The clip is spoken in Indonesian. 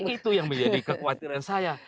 itu yang menjadi kekhawatiran saya